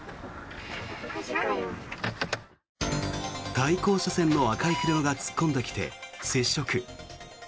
対向車線の赤い車が突っ込んできて、接触。